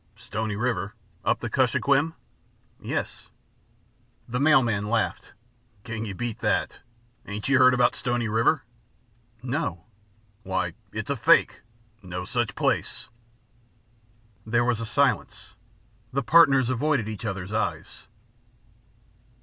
"Stony River? Up the Kuskokwim?" "Yes!" The mail man laughed. "Can you beat that? Ain't you heard about Stony River?" "No!" "Why, it's a fake no such place." There was a silence; the partners avoided each other's eyes.